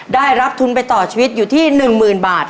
ได้รับทุนไปต่อชีวิตอยู่ที่หนึ่งหมื่นบาท